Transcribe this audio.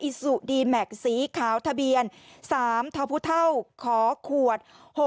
อิสุดีแม็กซ์สีขาวทะเบียน๓ทาพุเท่าขอขวด๖๒๓๓